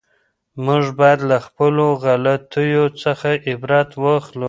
موږ باید له خپلو غلطیو څخه عبرت واخلو.